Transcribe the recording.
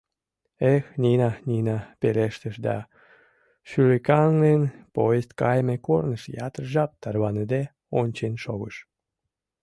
— Эх, Нина, Нина!.. — пелештыш да, шӱлыкаҥын, поезд кайыме корныш ятыр жап тарваныде ончен шогыш.